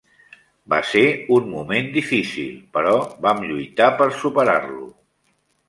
Va ser un moment difícil, però vam lluitar per superar-lo.